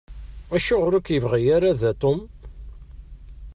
Acuɣeṛ ur k-yebɣi ara da Tom?